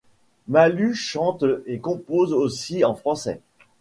Mallu chante et compose aussi en français.